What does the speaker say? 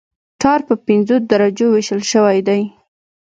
ټار په پنځو درجو ویشل شوی دی